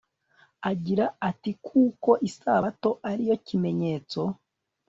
agira ati Kuko Isabato ari yo kimenyetso